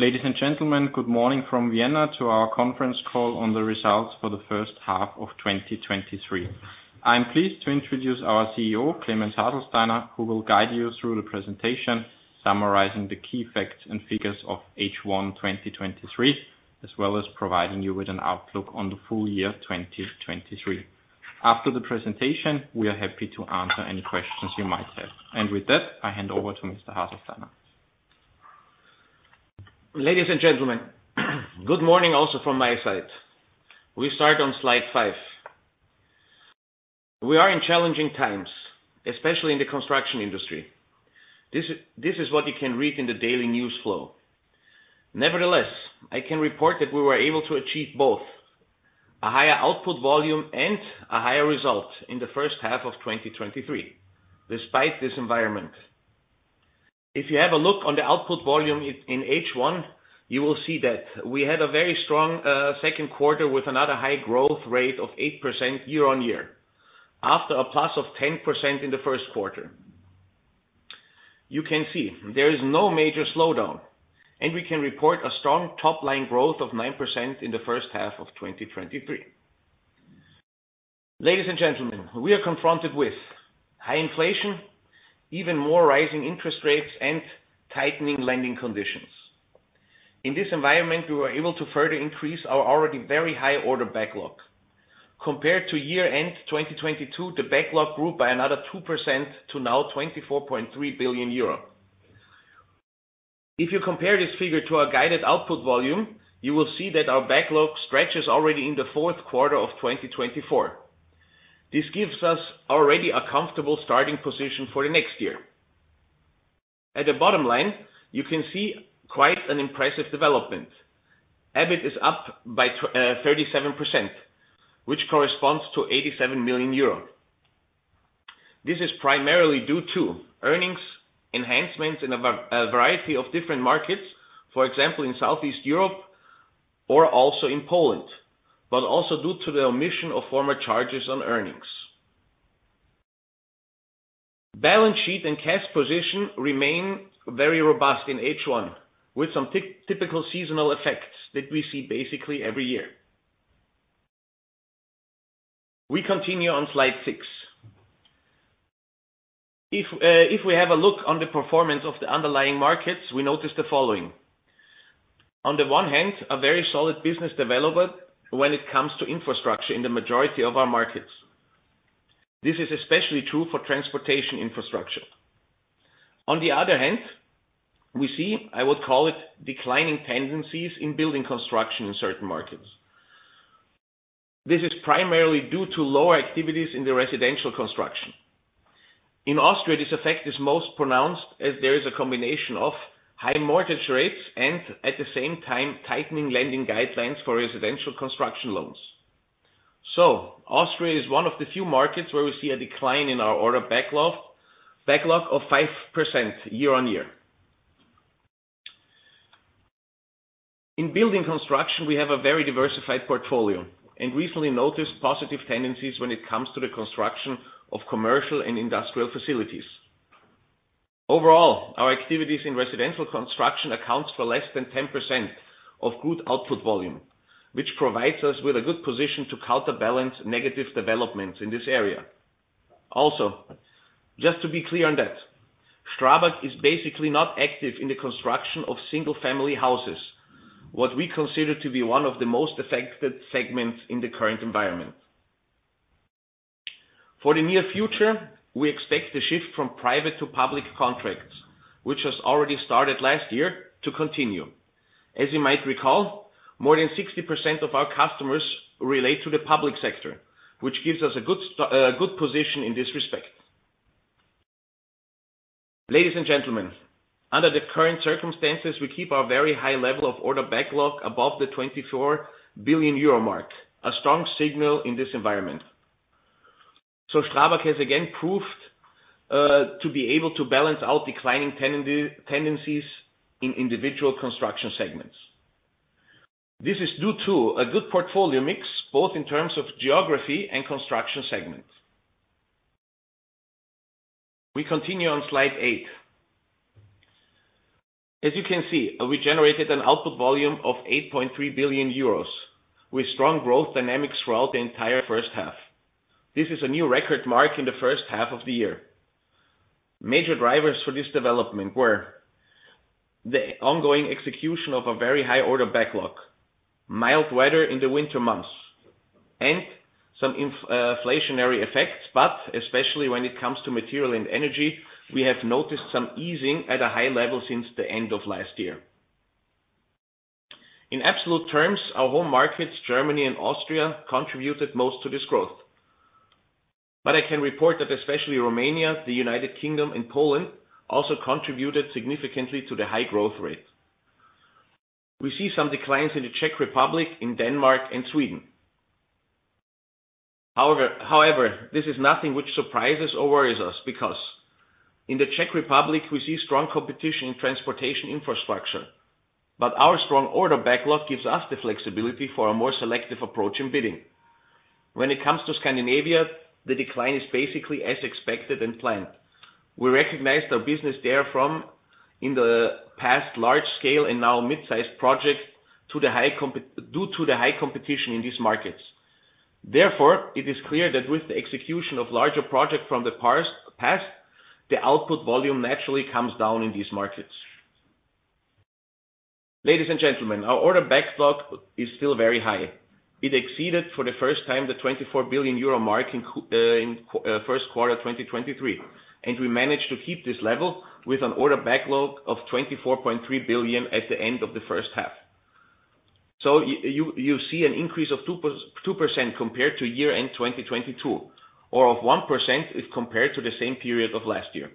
Ladies and gentlemen, good morning from Vienna to our conference call on the results for the first half of 2023. I'm pleased to introduce our CEO, Klemens Haselsteiner, who will guide you through the presentation, summarizing the key facts and figures of H1 2023, as well as providing you with an outlook on the full year 2023. After the presentation, we are happy to answer any questions you might have. With that, I hand over to Mr. Haselsteiner. Ladies and gentlemen, good morning, also from my side. We start on slide 5. We are in challenging times, especially in the construction industry. This is what you can read in the daily news flow. Nevertheless, I can report that we were able to achieve both a higher output volume and a higher result in the first half of 2023, despite this environment. If you have a look on the output volume in H1, you will see that we had a very strong second quarter with another high growth rate of 8% year-on-year, after a plus of 10% in the first quarter. You can see there is no major slowdown, and we can report a strong top line growth of 9% in the first half of 2023. Ladies and gentlemen, we are confronted with high inflation, even more rising interest rates, and tightening lending conditions. In this environment, we were able to further increase our already very high order backlog. Compared to year-end 2022, the backlog grew by another 2% to now 24.3 billion euro. If you compare this figure to our guided output volume, you will see that our backlog stretches already in the fourth quarter of 2024. This gives us already a comfortable starting position for the next year. At the bottom line, you can see quite an impressive development. EBIT is up by 37%, which corresponds to 87 million euro. This is primarily due to earnings enhancements in a variety of different markets, for example, in Southeast Europe or also in Poland, but also due to the omission of former charges on earnings. Balance sheet and cash position remain very robust in H1, with some typical seasonal effects that we see basically every year. We continue on slide six. If we have a look on the performance of the underlying markets, we notice the following: On the one hand, a very solid business development when it comes to infrastructure in the majority of our markets. This is especially true for transportation infrastructure. On the other hand, we see, I would call it declining tendencies in building construction in certain markets. This is primarily due to lower activities in the residential construction. In Austria, this effect is most pronounced as there is a combination of high mortgage rates and at the same time, tightening lending guidelines for residential construction loans. So Austria is one of the few markets where we see a decline in our order backlog, backlog of 5% year-on-year. In building construction, we have a very diversified portfolio and recently noticed positive tendencies when it comes to the construction of commercial and industrial facilities. Overall, our activities in residential construction accounts for less than 10% of good output volume, which provides us with a good position to counterbalance negative developments in this area. Also, just to be clear on that, STRABAG is basically not active in the construction of single-family houses, what we consider to be one of the most affected segments in the current environment. For the near future, we expect the shift from private to public contracts, which has already started last year, to continue. As you might recall, more than 60% of our customers relate to the public sector, which gives us a good position in this respect. Ladies and gentlemen, under the current circumstances, we keep our very high level of order backlog above the 24 billion euro mark, a strong signal in this environment. STRABAG has again proved to be able to balance out declining tendencies in individual construction segments. This is due to a good portfolio mix, both in terms of geography and construction segments. We continue on slide eight. As you can see, we generated an output volume of 8.3 billion euros, with strong growth dynamics throughout the entire first half. This is a new record mark in the first half of the year. Major drivers for this development were the ongoing execution of a very high order backlog, mild weather in the winter months, and some inflationary effects, but especially when it comes to material and energy, we have noticed some easing at a high level since the end of last year. In absolute terms, our home markets, Germany and Austria, contributed most to this growth. But I can report that especially Romania, the United Kingdom and Poland, also contributed significantly to the high growth rate. We see some declines in the Czech Republic, in Denmark and Sweden. However, this is nothing which surprises or worries us, because in the Czech Republic, we see strong competition in transportation infrastructure, but our strong order backlog gives us the flexibility for a more selective approach in bidding. When it comes to Scandinavia, the decline is basically as expected and planned. We recognized our business there from in the past large scale and now mid-sized projects to the high competition due to the high competition in these markets. Therefore, it is clear that with the execution of larger projects from the past the output volume naturally comes down in these markets. Ladies and gentlemen, our order backlog is still very high. It exceeded for the first time the 24 billion euro mark in first quarter 2023, and we managed to keep this level with an order backlog of 24.3 billion at the end of the first half. So you see an increase of 2%, 2% compared to year-end 2022, or of 1% if compared to the same period of last year.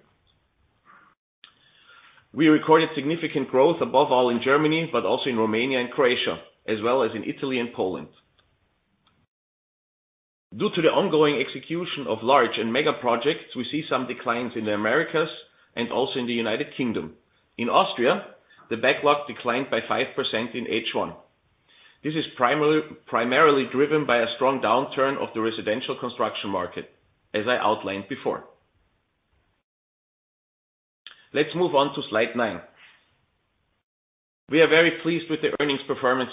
We recorded significant growth, above all in Germany, but also in Romania and Croatia, as well as in Italy and Poland. Due to the ongoing execution of large and mega projects, we see some declines in the Americas and also in the United Kingdom. In Austria, the backlog declined by 5% in H1. This is primarily driven by a strong downturn of the residential construction market, as I outlined before. Let's move on to slide 9. We are very pleased with the earnings performance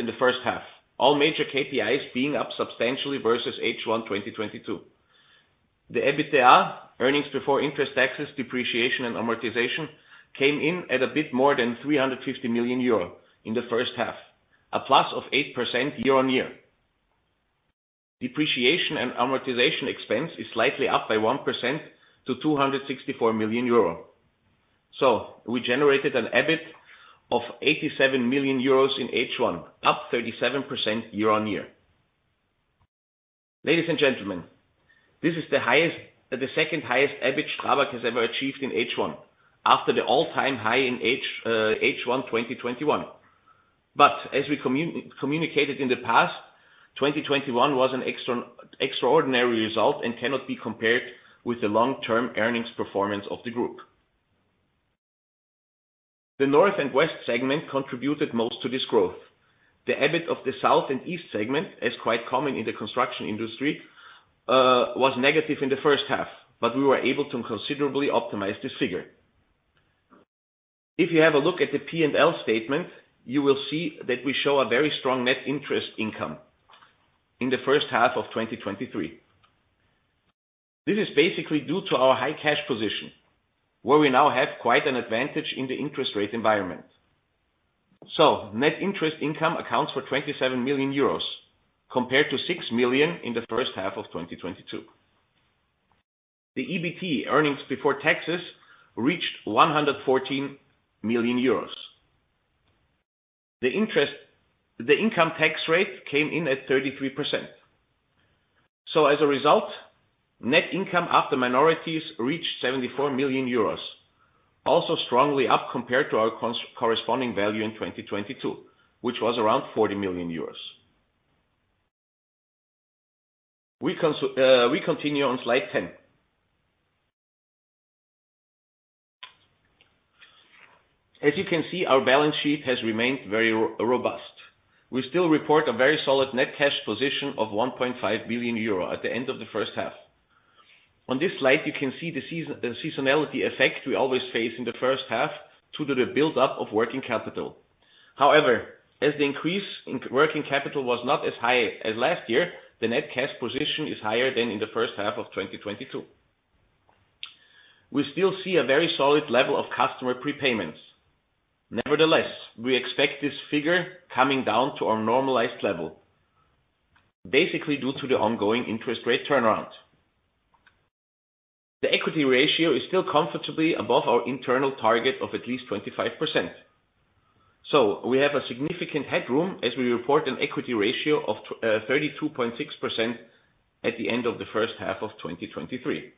in the first half, all major KPIs being up substantially versus H1 2022. The EBITDA, earnings before interest, taxes, depreciation, and amortization, came in at a bit more than 350 million euro in the first half, a +8% year-on-year. Depreciation and amortization expense is slightly up by 1% to 264 million euro. So we generated an EBIT of 87 million euros in H1, up 37% year-on-year. Ladies and gentlemen, this is the highest-- the second highest EBIT STRABAG has ever achieved in H1, after the all-time high in H1 2021. But as we communicated in the past, 2021 was an extraordinary result and cannot be compared with the long-term earnings performance of the group. The North and West segment contributed most to this growth. The EBIT of the South and East segment, as quite common in the construction industry, was negative in the first half, but we were able to considerably optimize this figure. If you have a look at the P&L statement, you will see that we show a very strong net interest income in the first half of 2023. This is basically due to our high cash position, where we now have quite an advantage in the interest rate environment. So net interest income accounts for 27 million euros, compared to 6 million in the first half of 2022. The EBT, earnings before taxes, reached 114 million euros. The income tax rate came in at 33%. So as a result, net income after minorities reached 74 million euros, also strongly up compared to our corresponding value in 2022, which was around 40 million euros. We continue on slide 10. As you can see, our balance sheet has remained very robust. We still report a very solid net cash position of 1.5 billion euro at the end of the first half. On this slide, you can see the seasonality effect we always face in the first half due to the build-up of working capital. However, as the increase in working capital was not as high as last year, the net cash position is higher than in the first half of 2022. We still see a very solid level of customer prepayments. Nevertheless, we expect this figure coming down to our normalized level, basically due to the ongoing interest rate turnaround. The equity ratio is still comfortably above our internal target of at least 25%. So we have a significant headroom as we report an equity ratio of 32.6% at the end of the first half of 2023.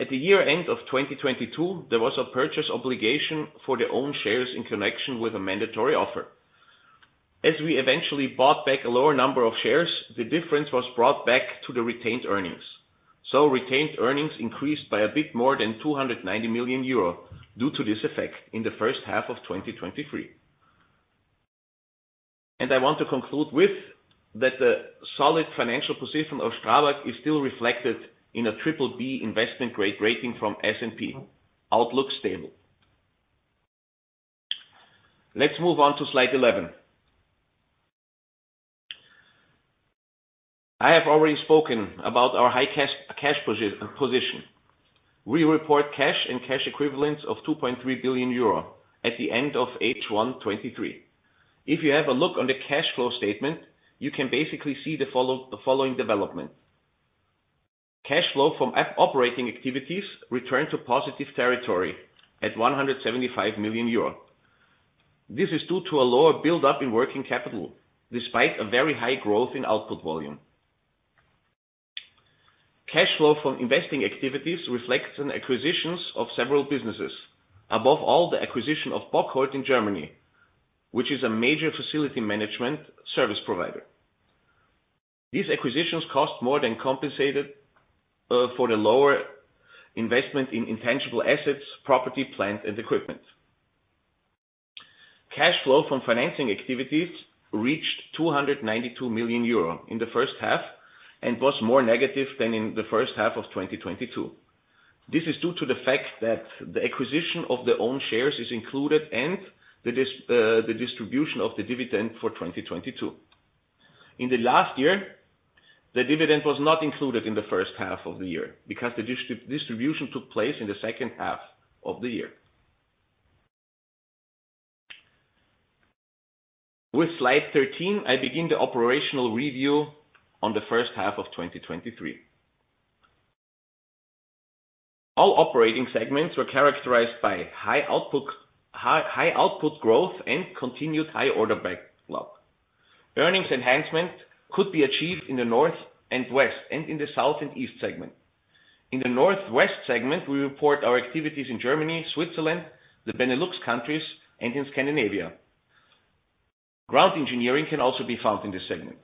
At the year-end of 2022, there was a purchase obligation for their own shares in connection with a mandatory offer. As we eventually bought back a lower number of shares, the difference was brought back to the retained earnings. So retained earnings increased by a bit more than 290 million euro due to this effect in the first half of 2023. And I want to conclude with, that the solid financial position of STRABAG is still reflected in a BBB investment grade rating from S&P, outlook stable. Let's move on to slide 11. I have already spoken about our high cash position. We report cash and cash equivalents of 2.3 billion euro at the end of H1 2023. If you have a look on the cash flow statement, you can basically see the following development. Cash flow from operating activities returned to positive territory at 175 million euro. This is due to a lower build-up in working capital, despite a very high growth in output volume. Cash flow from investing activities reflects on acquisitions of several businesses, above all, the acquisition of Bockholdt in Germany, which is a major facility management service provider. These acquisitions cost more than compensated for the lower investment in intangible assets, property, plant, and equipment. Cash flow from financing activities reached 292 million euro in the first half, and was more negative than in the first half of 2022. This is due to the fact that the acquisition of the own shares is included and the distribution of the dividend for 2022. In the last year, the dividend was not included in the first half of the year because the distribution took place in the second half of the year. With slide 13, I begin the operational review on the first half of 2023. All operating segments were characterized by high output, high output growth, and continued high order backlog. Earnings enhancement could be achieved in the North and West, and in the South and East segment. In the Northwest segment, we report our activities in Germany, Switzerland, the Benelux countries, and in Scandinavia. Ground engineering can also be found in this segment.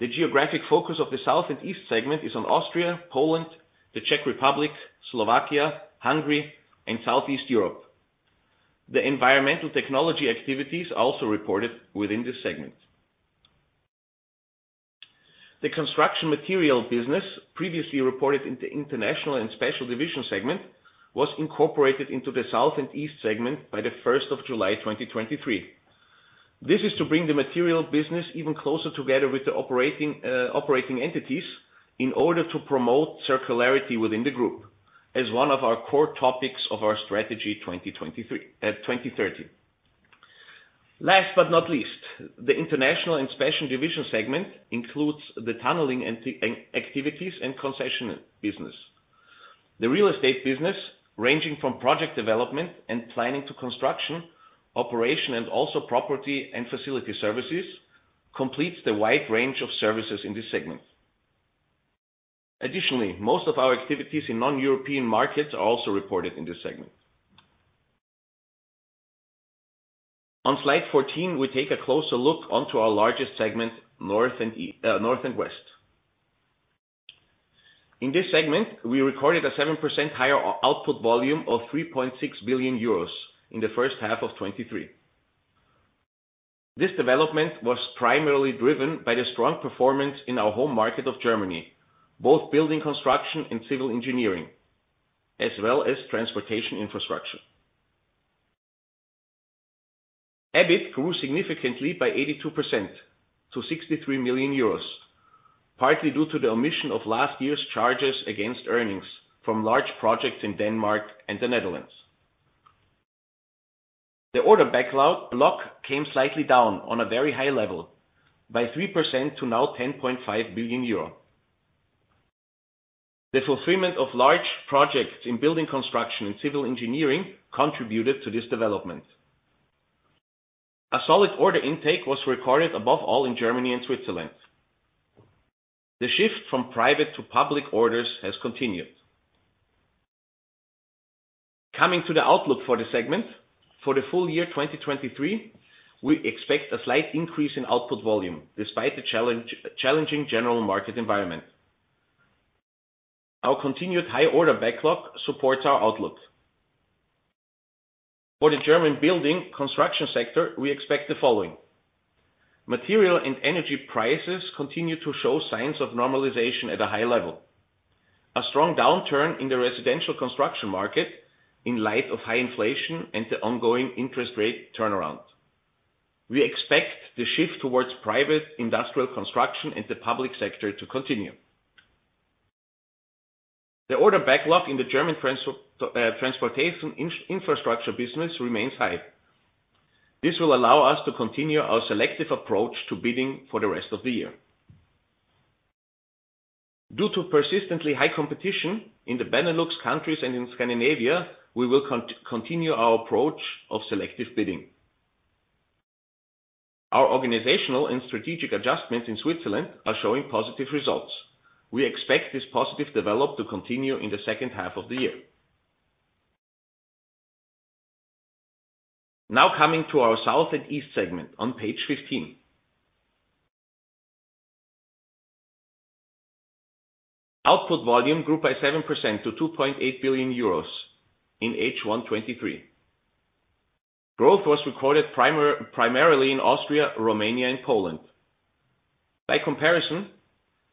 The geographic focus of the South and East segment is on Austria, Poland, the Czech Republic, Slovakia, Hungary, and Southeast Europe. The environmental technology activities are also reported within this segment. The construction material business, previously reported in the International and Special Division segment, was incorporated into the South and East segment by the first of July, 2023. This is to bring the material business even closer together with the operating entities, in order to promote circularity within the group, as one of our core topics of our Strategy 2030. Last but not least, the International and Special Division segment includes the tunneling and activities and concession business. The real estate business, ranging from project development and planning to construction, operation, and also property and facility services, completes the wide range of services in this segment. Additionally, most of our activities in non-European markets are also reported in this segment. On slide 14, we take a closer look onto our largest segment, North and West. In this segment, we recorded a 7% higher output volume of 3.6 billion euros in the first half of 2023. This development was primarily driven by the strong performance in our home market of Germany, both building construction and civil engineering, as well as transportation infrastructure. EBIT grew significantly by 82% to 63 million euros, partly due to the omission of last year's charges against earnings from large projects in Denmark and the Netherlands. The order backlog came slightly down on a very high level by 3% to now 10.5 billion euro. The fulfillment of large projects in building construction and civil engineering contributed to this development. A solid order intake was recorded above all in Germany and Switzerland. The shift from private to public orders has continued. Coming to the outlook for the segment, for the full year 2023, we expect a slight increase in output volume, despite the challenging general market environment. Our continued high order backlog supports our outlook. For the German building construction sector, we expect the following: Material and energy prices continue to show signs of normalization at a high level. A strong downturn in the residential construction market in light of high inflation and the ongoing interest rate turnaround. We expect the shift towards private industrial construction and the public sector to continue. The order backlog in the German transportation infrastructure business remains high. This will allow us to continue our selective approach to bidding for the rest of the year. Due to persistently high competition in the Benelux countries and in Scandinavia, we will continue our approach of selective bidding. Our organizational and strategic adjustments in Switzerland are showing positive results. We expect this positive development to continue in the second half of the year. Now coming to our South and East segment on page 15. Output volume grew by 7% to 2.8 billion euros in H1 2023. Growth was recorded primarily in Austria, Romania, and Poland. By comparison,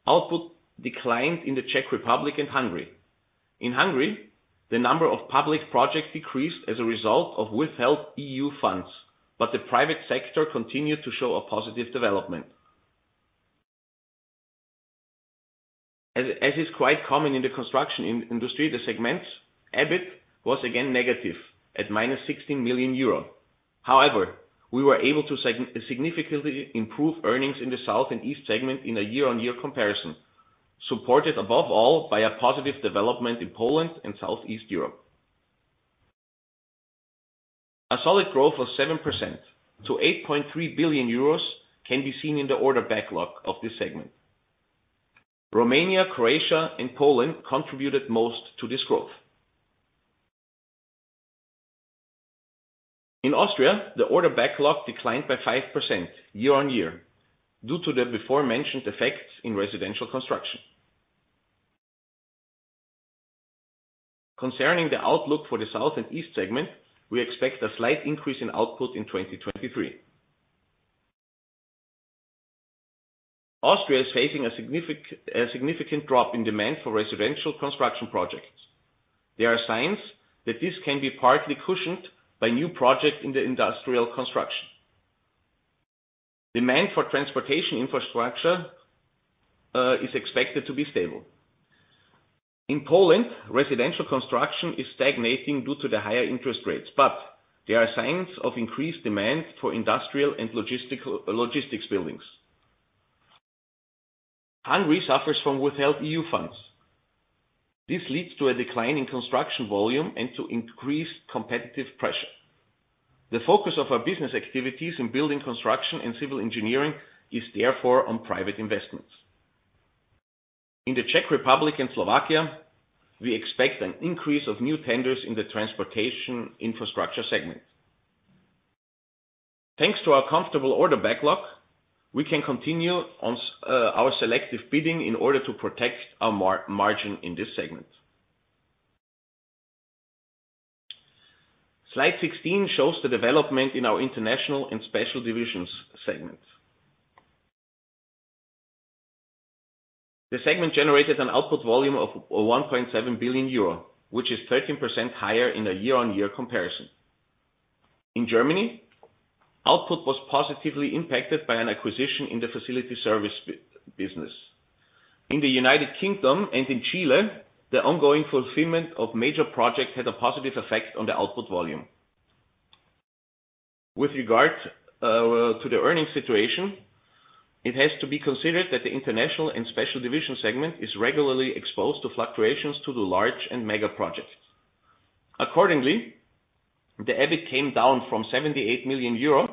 output declined in the Czech Republic and Hungary. In Hungary, the number of public projects decreased as a result of withheld EU funds, but the private sector continued to show a positive development. As is quite common in the construction industry, the segment's EBIT was again negative at -16 million euro. However, we were able to significantly improve earnings in the South and East segment in a year-on-year comparison, supported above all by a positive development in Poland and Southeast Europe. A solid growth of 7% to 8.3 billion euros can be seen in the order backlog of this segment. Romania, Croatia, and Poland contributed most to this growth. In Austria, the order backlog declined by 5% year-on-year, due to the aforementioned effects in residential construction. Concerning the outlook for the South and East segment, we expect a slight increase in output in 2023. Austria is facing a significant drop in demand for residential construction projects. There are signs that this can be partly cushioned by new projects in the industrial construction. Demand for transportation infrastructure is expected to be stable. In Poland, residential construction is stagnating due to the higher interest rates, but there are signs of increased demand for industrial and logistics buildings. Hungary suffers from withheld EU funds. This leads to a decline in construction volume and to increased competitive pressure. The focus of our business activities in building construction and civil engineering is therefore on private investments. In the Czech Republic and Slovakia, we expect an increase of new tenders in the transportation infrastructure segment. Thanks to our comfortable order backlog, we can continue on our selective bidding in order to protect our margin in this segment. Slide 16 shows the development in our International and Special Divisions segment. The segment generated an output volume of 1.7 billion euro, which is 13% higher in a year-on-year comparison. In Germany, output was positively impacted by an acquisition in the facility service business. In the United Kingdom and in Chile, the ongoing fulfillment of major projects had a positive effect on the output volume. With regard to the earnings situation, it has to be considered that the International and Special Division segment is regularly exposed to fluctuations to the large and mega projects. Accordingly, the EBIT came down from 78 million euro,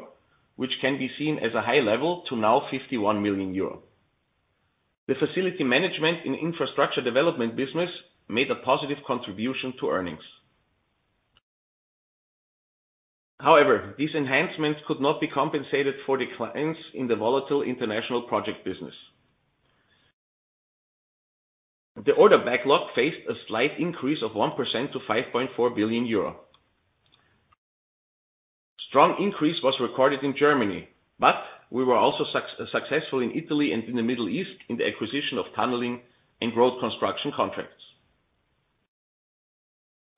which can be seen as a high level, to now 51 million euro. The facility management and infrastructure development business made a positive contribution to earnings. However, these enhancements could not be compensated for declines in the volatile international project business. The order backlog faced a slight increase of 1% to 5.4 billion euro. Strong increase was recorded in Germany, but we were also successful in Italy and in the Middle East in the acquisition of tunneling and road construction contracts.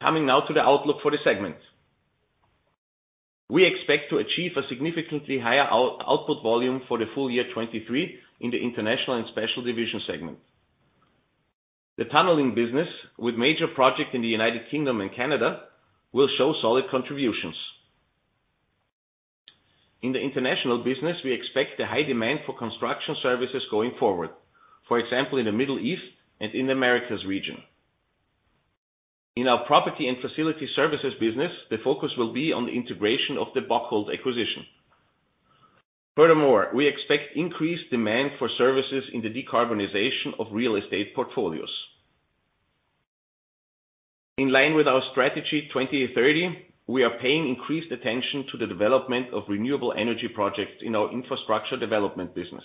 Coming now to the outlook for the segment. We expect to achieve a significantly higher output volume for the full year 2023 in the International and Special Division segment. The tunneling business, with major projects in the United Kingdom and Canada, will show solid contributions. In the international business, we expect a high demand for construction services going forward, for example, in the Middle East and in the Americas region. In our property and facility services business, the focus will be on the integration of the Bockholdt acquisition. Furthermore, we expect increased demand for services in the decarbonization of real estate portfolios. In line with our Strategy 2030, we are paying increased attention to the development of renewable energy projects in our infrastructure development business.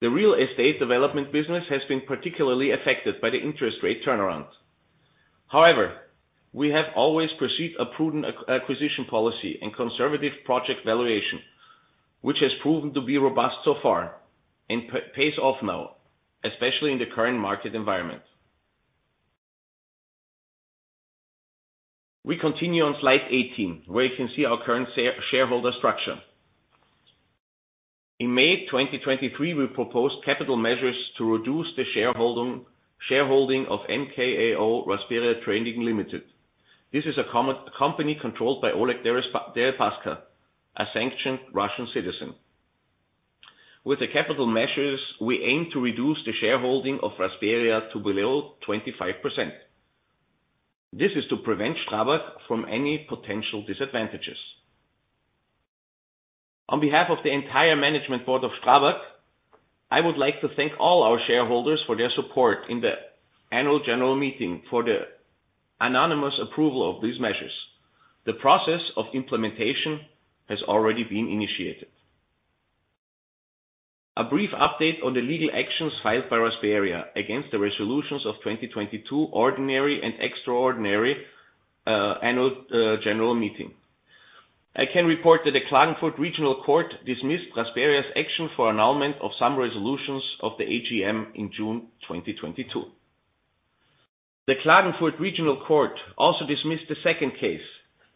The real estate development business has been particularly affected by the interest rate turnaround. However, we have always pursued a prudent acquisition policy and conservative project valuation, which has proven to be robust so far, and pays off now, especially in the current market environment. We continue on slide 18, where you can see our current shareholder structure. In May 2023, we proposed capital measures to reduce the shareholding of MKAO Rasperia Trading Limited. This is a company controlled by Oleg Deripaska, a sanctioned Russian citizen. With the capital measures, we aim to reduce the shareholding of Rasperia to below 25%. This is to prevent STRABAG from any potential disadvantages. On behalf of the entire management board of STRABAG, I would like to thank all our shareholders for their support in the annual general meeting, for the unanimous approval of these measures. The process of implementation has already been initiated. A brief update on the legal actions filed by Rasperia against the resolutions of 2022, ordinary and extraordinary, annual general meeting. I can report that the Klagenfurt Regional Court dismissed Rasperia's action for annulment of some resolutions of the AGM in June 2022. The Klagenfurt Regional Court also dismissed the second case,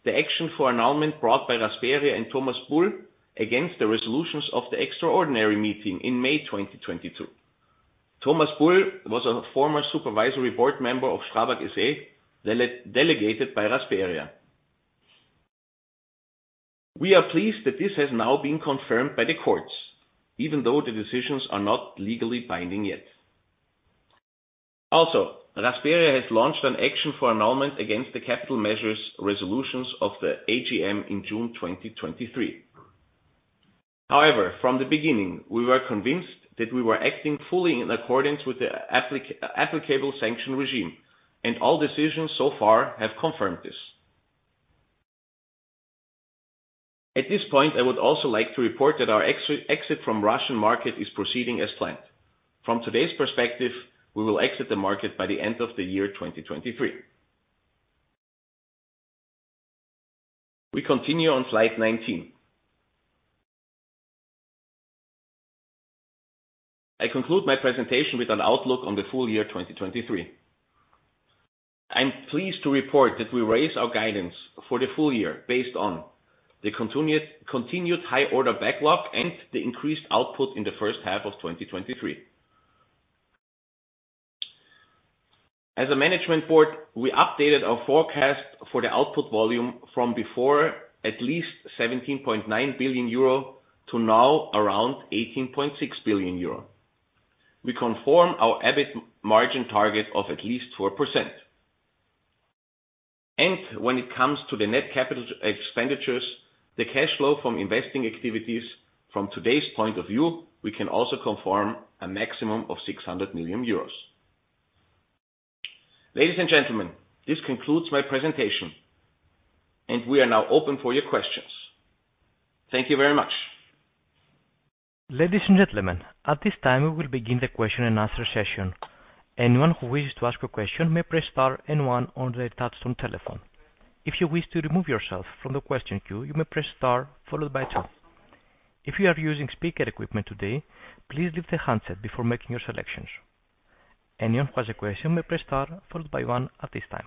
the action for annulment brought by Rasperia and Thomas Bull against the resolutions of the extraordinary meeting in May 2022. Thomas Bull was a former supervisory board member of STRABAG SE, delegated by Rasperia. We are pleased that this has now been confirmed by the courts, even though the decisions are not legally binding yet. Also, Rasperia has launched an action for annulment against the capital measures resolutions of the AGM in June 2023. However, from the beginning, we were convinced that we were acting fully in accordance with the applicable sanction regime, and all decisions so far have confirmed this. At this point, I would also like to report that our exit from Russian market is proceeding as planned. From today's perspective, we will exit the market by the end of the year 2023. We continue on slide 19. I conclude my presentation with an outlook on the full year 2023. I'm pleased to report that we raise our guidance for the full year based on the continued high order backlog and the increased output in the first half of 2023. As a management board, we updated our forecast for the output volume from before at least 17.9 billion euro to now around 18.6 billion euro. We confirm our EBIT margin target of at least 4%. When it comes to the net capital expenditures, the cash flow from investing activities, from today's point of view, we can also confirm a maximum of 600 million euros. Ladies and gentlemen, this concludes my presentation, and we are now open for your questions. Thank you very much. Ladies and gentlemen, at this time, we will begin the question and answer session. Anyone who wishes to ask a question may press star and one on their touchtone telephone. If you wish to remove yourself from the question queue, you may press star followed by two. If you are using speaker equipment today, please leave the handset before making your selections. Anyone who has a question may press star followed by one at this time.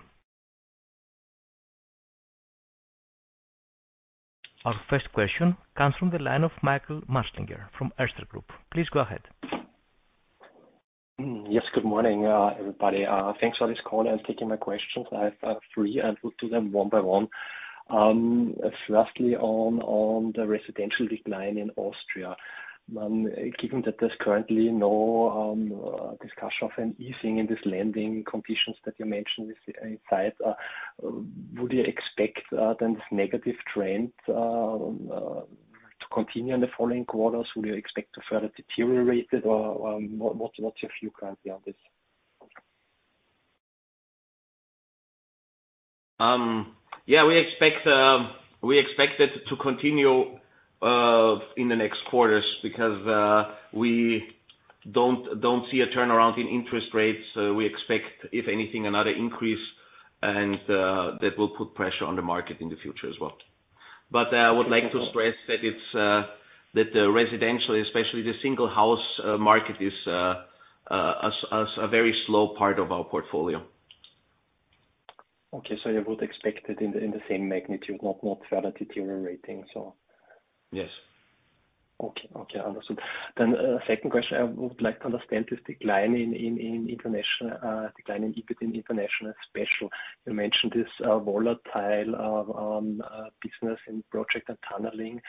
Our first question comes from the line of Michael Marschallinger from Erste Group. Please go ahead. Yes, good morning, everybody. Thanks for this call and taking my questions. I have three, and we'll do them one by one. Firstly, on the residential decline in Austria, given that there's currently no discussion of an easing in this lending conditions that you mentioned inside, would you expect then this negative trend to continue in the following quarters? Would you expect to further deteriorate it, or what, what's your view currently on this? Yeah, we expect, we expect it to continue in the next quarters because we don't, don't see a turnaround in interest rates. We expect, if anything, another increase and that will put pressure on the market in the future as well. But I would like to stress that it's that the residential, especially the single house market, is a very slow part of our portfolio. Okay. So you would expect it in the same magnitude, not further deteriorating, so? Yes. Okay. Okay, understood. Then, second question. I would like to understand this decline in international decline in EBIT in international special. You mentioned this volatile business in project and tunneling.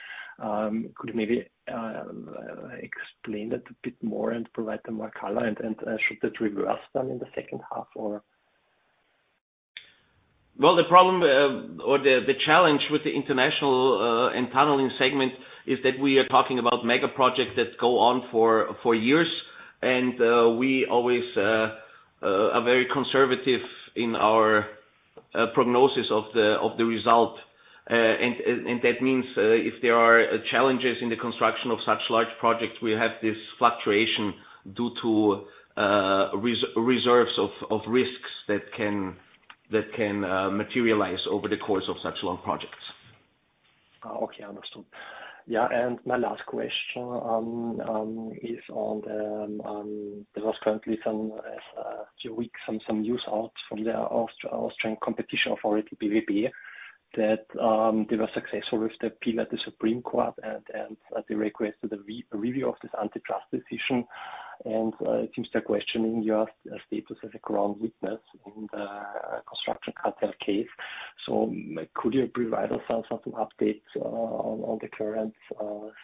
Could you maybe explain that a bit more and provide some more color, and should that reverse then in the second half, or? Well, the problem or the challenge with the international and tunneling segment is that we are talking about mega projects that go on for years, and we always are very conservative in our prognosis of the result. And that means if there are challenges in the construction of such large projects, we have this fluctuation due to reserves of risks that can materialize over the course of such long projects. Okay, understood. Yeah, and my last question is on the, there was currently some a few weeks, some news out from the Austrian Competition Authority, BWB, that they were successful with the appeal at the Supreme Court and they requested a review of this antitrust decision. And it seems they're questioning your status as a crown witness in the construction cartel case. So could you provide us some updates on the current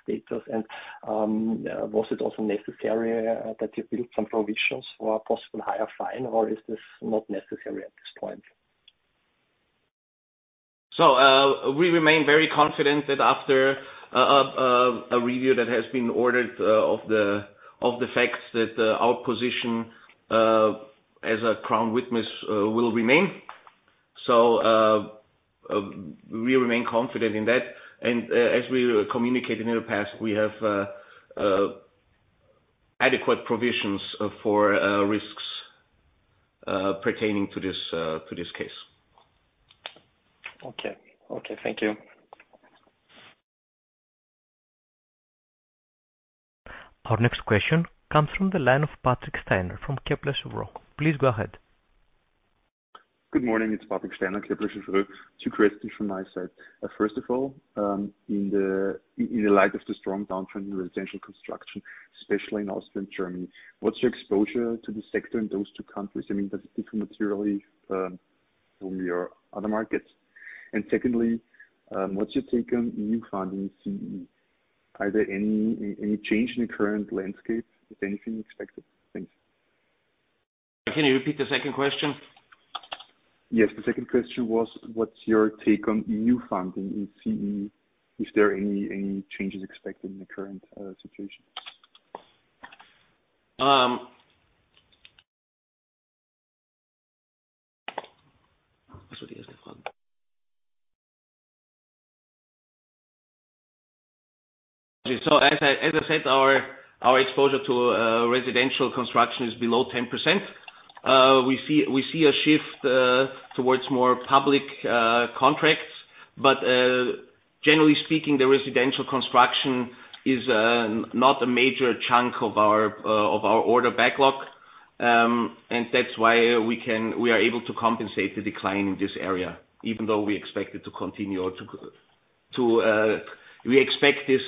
status? And was it also necessary that you build some provisions for a possible higher fine, or is this not necessary at this point? So, we remain very confident that after a review that has been ordered of the facts, that our position as a crown witness will remain. So, we remain confident in that, and as we communicated in the past, we have adequate provisions for risks pertaining to this case. Okay. Okay, thank you. Our next question comes from the line of Patrick Steiner from Kepler Cheuvreux. Please go ahead. Good morning, it's Patrick Steiner, Kepler Cheuvreux. Two questions from my side. First of all, in the light of the strong downturn in residential construction, especially in Austria and Germany, what's your exposure to the sector in those two countries? I mean, does it differ materially from your other markets? And secondly, what's your take on new funding in CEE? Are there any change in the current landscape? Is anything expected? Thanks. Can you repeat the second question? Yes. The second question was, what's your take on EU funding in CEE? Is there any, any changes expected in the current situation? So as I said, our exposure to residential construction is below 10%. We see a shift towards more public contracts, but generally speaking, the residential construction is not a major chunk of our order backlog. And that's why we are able to compensate the decline in this area, even though we expect it to continue, we expect this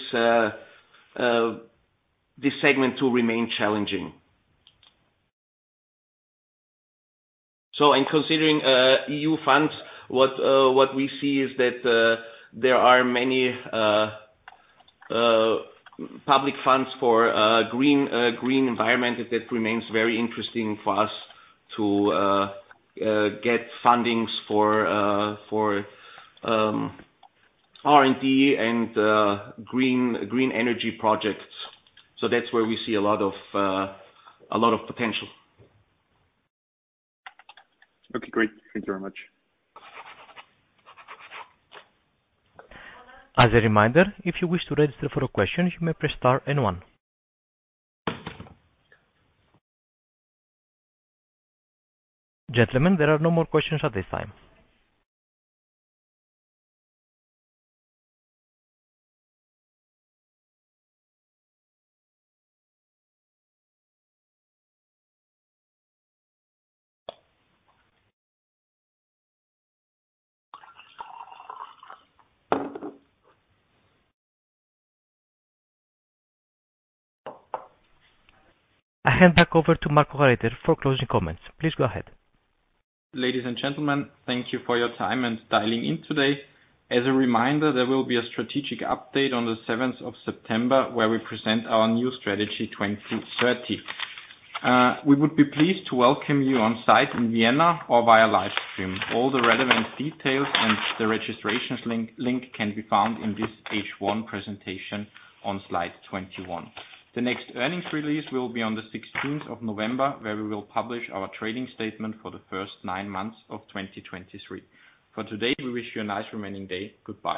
segment to remain challenging. So in considering EU funds, what we see is that there are many public funds for green environment, and that remains very interesting for us to get funding for R&D and green energy projects. That's where we see a lot of, a lot of potential. Okay, great. Thank you very much. As a reminder, if you wish to register for a question, you may press star and one. Gentlemen, there are no more questions at this time. I hand back over to Marco Reiter for closing comments. Please go ahead. Ladies and gentlemen, thank you for your time and dialing in today. As a reminder, there will be a strategic update on the 7th of September, where we present our new Strategy 2030. We would be pleased to welcome you on site in Vienna or via live stream. All the relevant details and the registration link can be found in this H1 presentation on slide 21. The next earnings release will be on the 16th of November, where we will publish our trading statement for the first 9 months of 2023. For today, we wish you a nice remaining day. Goodbye.